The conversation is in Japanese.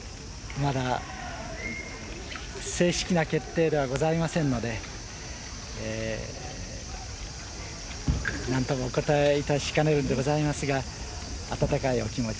まだ、正式な決定ではございませんので、なんともお答えいたしかねるんでございますが、温かいお気持ち、